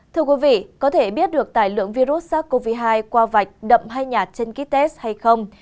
thưa quý vị có thể biết được tài lượng virus sars cov hai qua vạch đậm hay nhạt trên kites hay không